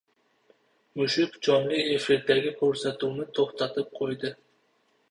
Mushuk jonli efirdagi ko`rsatuvni to`xtatib qo`ydi